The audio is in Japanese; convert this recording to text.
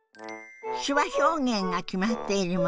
手話表現が決まっているもの